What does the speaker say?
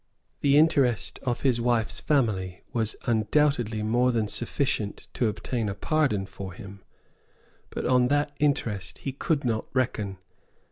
The interest of his wife's family was undoubtedly more than sufficient to obtain a pardon for him. But on that interest he could not reckon.